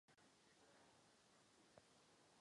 Je to náš závazek.